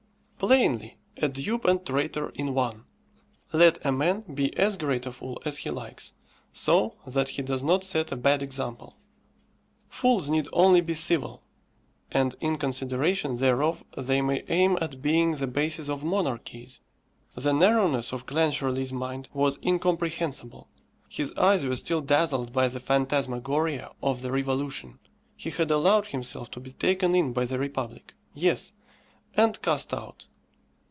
Plainly a dupe and traitor in one. Let a man be as great a fool as he likes, so that he does not set a bad example. Fools need only be civil, and in consideration thereof they may aim at being the basis of monarchies. The narrowness of Clancharlie's mind was incomprehensible. His eyes were still dazzled by the phantasmagoria of the revolution. He had allowed himself to be taken in by the republic yes; and cast out.